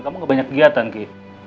kamu gak banyak kegiatan ki